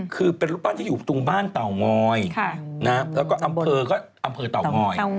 คือเป็นรูปปั้นที่อยู่ตรงบ้านเตางอยแล้วก็อำเภอก็อำเภอเต่างอย